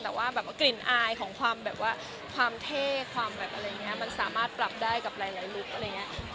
แต่ว่ากลิ่นอายคนความเท่ความอะไรก็สามารถปรับได้กับรุ๊ป